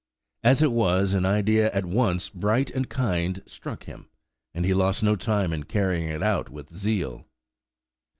As it was, an idea at once bright and kind struck him, and he lost no time in carrying it out with zeal.